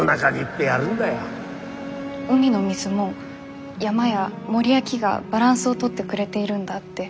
海の水も山や森や木がバランスを取ってくれているんだって